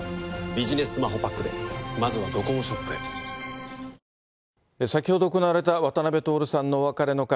「ボスカフェイン」先ほど行われた渡辺徹さんのお別れの会。